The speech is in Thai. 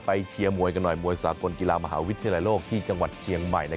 เชียร์มวยกันหน่อยมวยสากลกีฬามหาวิทยาลัยโลกที่จังหวัดเชียงใหม่